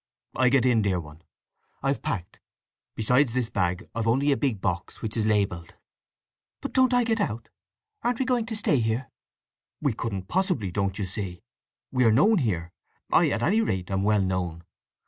I get in, dear one! I've packed. Besides this bag I've only a big box which is labelled." "But don't I get out? Aren't we going to stay here?" "We couldn't possibly, don't you see. We are known here—I, at any rate, am well known.